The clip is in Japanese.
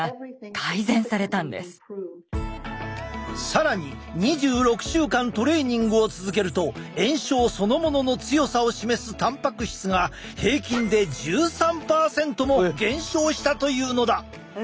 更に２６週間トレーニングを続けると炎症そのものの強さを示すタンパク質が平均で１３％も減少したというのだ。